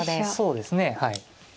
そうですねはい。